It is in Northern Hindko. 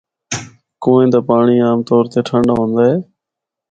کنووے دا پانڑی عام طور ٹھنڈا ہوندا ہے۔